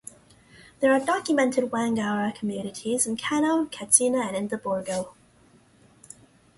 There are documented Wangara communities in Kano, Katsina and in the Borgou.